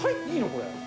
これ。